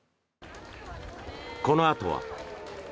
このあとは。